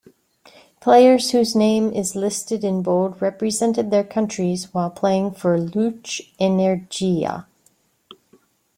Players whose name is listed in bold represented their countries while playing for Luch-Energiya.